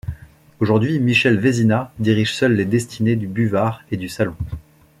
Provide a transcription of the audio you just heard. Aujourd'hui Michel Vézina dirige seul les destinés du Buvard et du Salon.